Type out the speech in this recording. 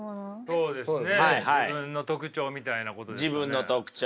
そうですね。